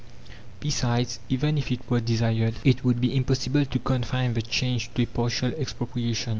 Besides, even if it were desired, it would be impossible to confine the change to a partial expropriation.